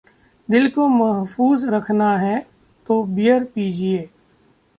दिल को महफूज रखना है तो बीयर पीजिए...